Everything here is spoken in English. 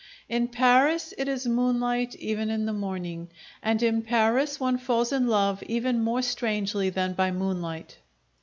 In Paris it is moonlight even in the morning; and in Paris one falls in love even more strangely than by moonlight.